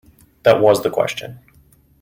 That was the question.